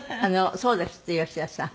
そうですって吉田さん。